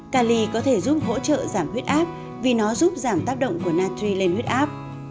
cali có thể giúp hỗ trợ giảm huyết áp vì nó giúp giảm tác động của natri lên huyết áp